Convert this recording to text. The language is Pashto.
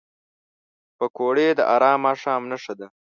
پکورې د ارام ماښام نښه ده